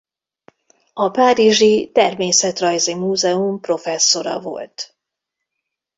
A párizsi Természetrajzi Múzeum professzora volt.